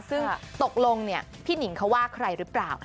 ซึ่งตกลงพี่หนิงเขาว่าใครหรือเปล่า